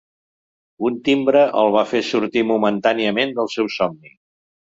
Un timbre el va fer sortir momentàniament del seu somni.